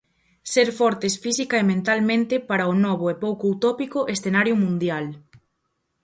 Ser fortes física e mentalmente para o novo, e pouco utópico, escenario mundial.